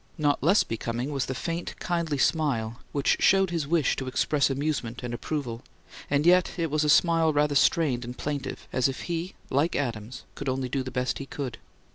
Not less becoming was the faint, kindly smile, which showed his wish to express amusement and approval; and yet it was a smile rather strained and plaintive, as if he, like Adams, could only do the best he could.